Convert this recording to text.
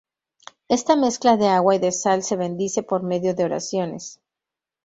Esta mezcla de agua y de sal se bendice por medio de oraciones.